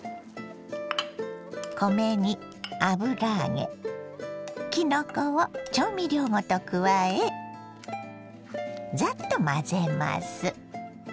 米に油揚げきのこを調味料ごと加えザッと混ぜます。